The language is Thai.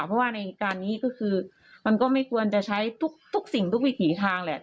เพราะว่าในการนี้ก็คือมันก็ไม่ควรจะใช้ทุกสิ่งทุกวิถีทางแหละ